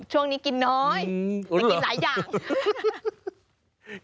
ช่วงนี้กินน้อยไปกินหลายอย่าง